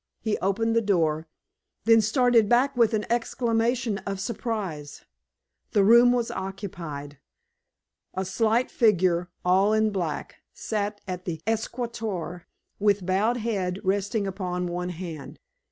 He opened the door, then started back with an exclamation of surprise. The room was occupied. A slight figure, all in black, sat at the escritoire, with bowed head resting upon one hand.